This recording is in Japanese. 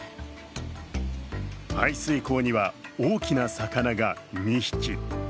排水溝には大きな魚が２匹。